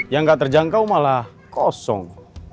yang gak terjangkau malah kosong